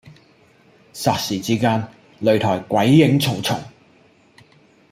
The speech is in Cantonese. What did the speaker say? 霎時之間，擂台鬼影重重